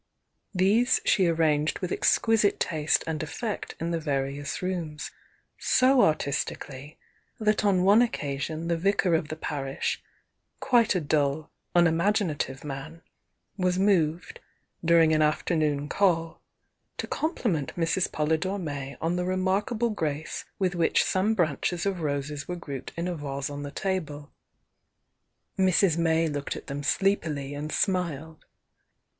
These she arranged with exquisite taste and effect in the various rooms, so artistically that on one occasion the vicar of the parish, quite a dull, unimaginative man, was moved, during an afternoon call, to com pliment Mrs. Polydore May on the remarkable grace with which some branches of roses were grouped THE YOUNG DIANA 47 in a vase on the table. Mrs. May looked at them sleepily and smiled.